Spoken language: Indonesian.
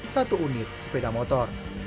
satu unit sepeda motor